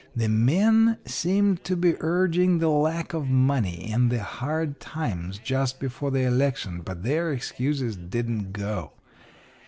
The men seemed to be urging the lack of money and the hard times just before the election, but their excuses didn't go.